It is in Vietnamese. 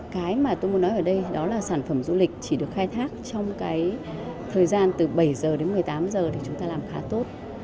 cái mà tôi muốn nói ở đây đó là sản phẩm du lịch chỉ được khai thác trong cái thời gian từ bảy h đến một mươi tám giờ thì chúng ta làm khá tốt